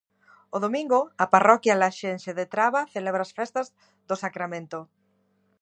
O domingo, a parroquia laxense de Traba celebra as festas do Sacramento.